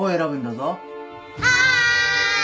はい。